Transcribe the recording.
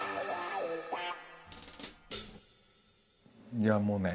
いやもうね